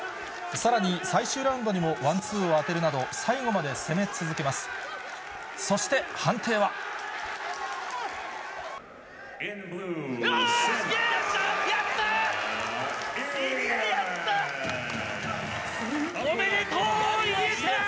さらに、最終ラウンドにもワンツーを当てるなど最後まで攻め続けます。